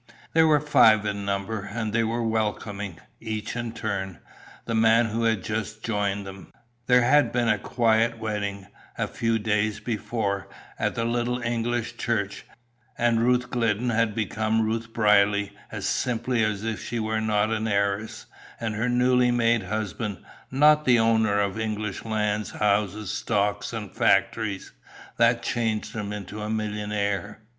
They were five in number, and they were welcoming, each in turn, the man who had just joined them. There had been a quiet wedding, a few days before, at a little English church, and Ruth Glidden had become Ruth Brierly as simply as if she were not an heiress, and her newly made husband not the owner of English lands, houses, stocks, and factories, that changed him into a millionaire.